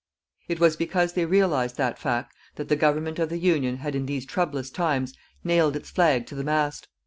_ "_It was because they realized that fact that the Government of the Union had in these troublous times nailed its flag to the mast.